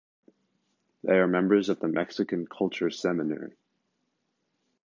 They are members of the Mexican Culture Seminary.